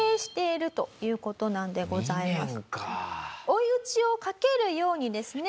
追い打ちをかけるようにですね